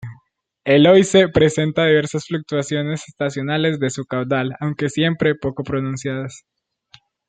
El Oise presenta diversas fluctuaciones estacionales de su caudal, aunque siempre poco pronunciadas.